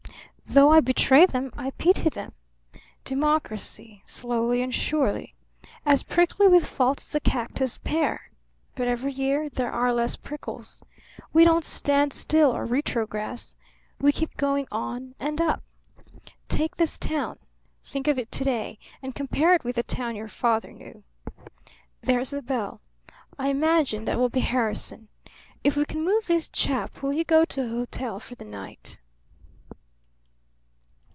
Though I betray them I pity them. Democracy; slowly and surely. As prickly with faults as a cactus pear; but every year there are less prickles. We don't stand still or retrogress; we keep going on and up. Take this town. Think of It to day and compare it with the town your father knew. There's the bell. I imagine that will be Harrison. If we can move this chap will you go to a hotel for the night?"